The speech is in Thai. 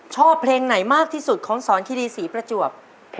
ใช่นะครับ